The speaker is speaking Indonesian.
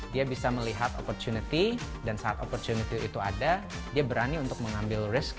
dia bisa melihat opportunity dan saat opportunity itu ada dia berani untuk mengambil risk